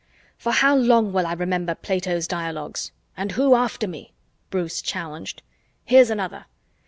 "For how long will I remember Plato's dialogues? And who after me?" Bruce challenged. "Here's another.